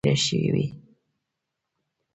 د دې ډوډۍ پخولو په وخت کې اوړه باید ښه خمېره شوي وي.